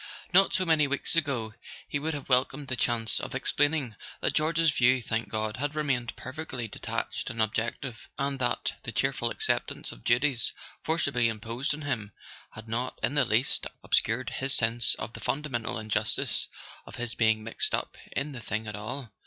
Not so many weeks ago he would have welcomed the chance of ex¬ plaining that George's view, thank God, had remained perfectly detached and objective, and that the cheer¬ ful acceptance of duties forcibly imposed on him had not in the least obscured his sense of the fundamental injustice of his being mixed up in the thing at all.